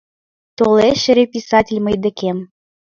Толеш эре писатель мый декем.